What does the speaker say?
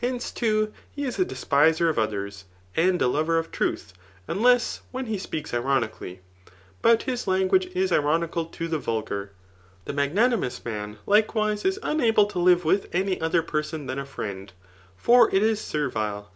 Hence, too» he is a despiser afotbeas, and a lover of truths unless when he speaks wmcally ; but Hi language is irrakal to the vu^arv Xhe nu^nanimous aUn, Mkewise, is unable to live with any odier person than a £riend ; iic^ it is eertsle.